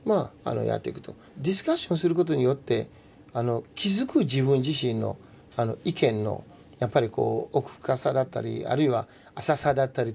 ディスカッションすることによって気付く自分自身の意見のやっぱりこう奥深さだったりあるいは浅さだったりとかっていうのがあるんですよね。